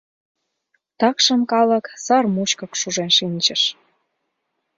Такшым калык сар мучкак шужен шинчыш.